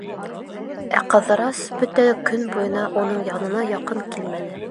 Ә Ҡыҙырас бөтә көн буйына уның янына яҡын килмәне.